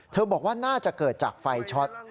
บอกว่าน่าจะเกิดจากไฟช็อต